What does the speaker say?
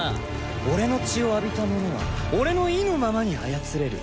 俺の血を浴びたものは俺の意のままに操れる。